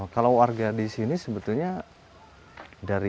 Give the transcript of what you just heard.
kalau warga di sini sebetulnya dari